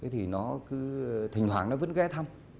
thì nó cứ thỉnh thoảng nó vẫn ghé thăm